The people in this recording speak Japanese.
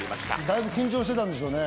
だいぶ緊張してたんでしょうね。